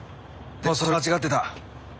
でもそれは間違ってた。